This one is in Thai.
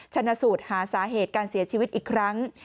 ชนะสูตรหาสาเหตุการเสียชีวิตอีกครั้ง